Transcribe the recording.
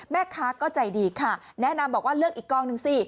แม่ค้าก็ใจดีค่ะแนะนำบอกว่าเลือกอีกกองหนึ่งสิ